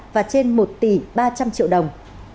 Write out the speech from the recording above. và trên một tỷ ba trăm linh triệu đồng